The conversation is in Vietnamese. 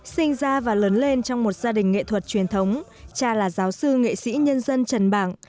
sinh ra và lớn lên trong một gia đình nghệ thuật truyền thống cha là giáo sư nghệ sĩ nhân dân trần bảng